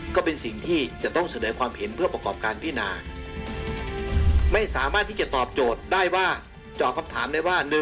ก็เป็นสิ่งที่จะต้องเสนอความเห็นเพื่อประกอบการพิจารณา